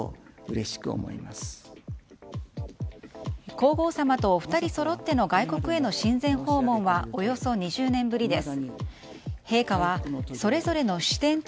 皇后さまと２人そろっての外国への親善訪問はおよそ２０年ぶりです。